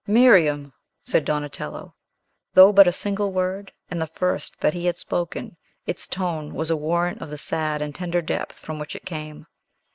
"Miriam!" said Donatello. Though but a single word, and the first that he had spoken, its tone was a warrant of the sad and tender depth from which it came.